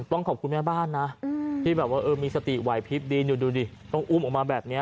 ต้องขอบคุณแม่บ้านนะที่แบบว่ามีสติไหวพลิบดีดูดิต้องอุ้มออกมาแบบนี้